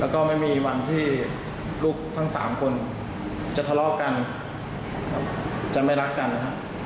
แล้วก็ไม่มีวันที่ลูกทั้ง๓คนจะทะเลาะกันจะไม่รักกันนะครับ